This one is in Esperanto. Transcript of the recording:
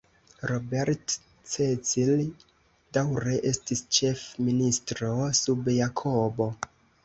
Robert Cecil daŭre estis ĉef-ministro sub Jakobo.